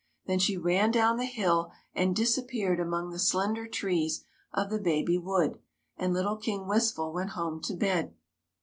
Then she ran down the hill and disappeared among the slender trees of the baby wood, and little King Wistful went home to bed.